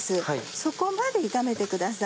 そこまで炒めてください。